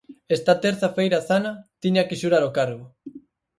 Esta terza feira Zana tiña que xurar o cargo.